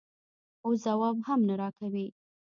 اوس ځواب هم نه راکوې؟